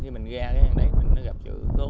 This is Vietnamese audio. khi mình ra cái hàng đáy mình nó gặp chữ cố